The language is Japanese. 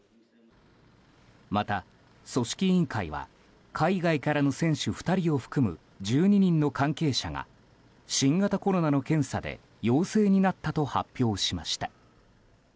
また、組織委員会は海外からの選手２人を含む１２人の関係者が新型コロナの検査で陽性になったと発表しました。